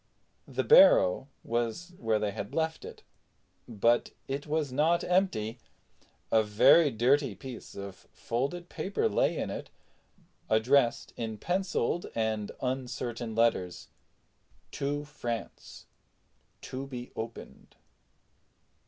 The barrow was where they had left it, but it was not empty. A very dirty piece of folded paper lay in it, addressed in penciled and uncertain characters TO FRANCE TO BE OPENED.